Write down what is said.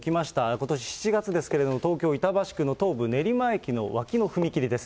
ことし７月ですけれども、東京・板橋区の東武練馬駅の脇の踏切です。